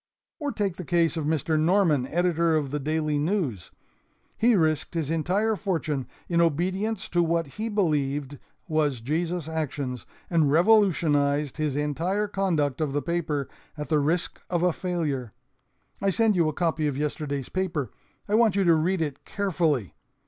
"Or take the case of Mr. Norman, editor of the DAILY NEWS. He risked his entire fortune in obedience to what he believed was Jesus' action, and revolutionized his entire conduct of the paper at the risk of a failure. I send you a copy of yesterday's paper. I want you to read it carefully.